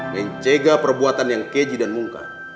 mencegah perbuatan yang keji dan mungka